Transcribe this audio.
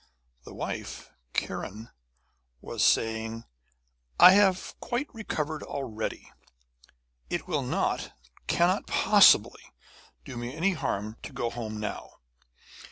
The wife, Kiran, was saying: 'I have quite recovered already. It will not, cannot possibly, do me any harm to go home now.'